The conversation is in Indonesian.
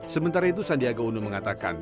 sementara itu sandiaga uno mengatakan